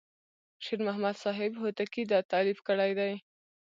شیر محمد صاحب هوتکی دا تألیف کړی دی.